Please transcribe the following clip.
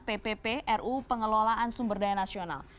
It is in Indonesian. ppp ruu pengelolaan sumber daya nasional